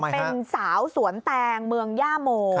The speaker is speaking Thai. เป็นสาวสวนแตงเมืองย่าโม